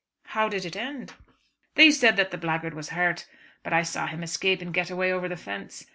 "How did it end?" "They said that the blackguard was hurt, but I saw him escape and get away over the fence.